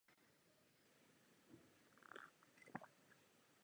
Jsou zde tři rozlehlé místnosti.